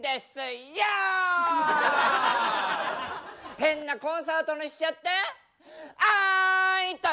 変なコンサートにしちゃってあーいとぅ